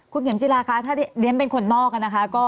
คุณเกมจิลาคะถ้าเรียนเป็นคนนอก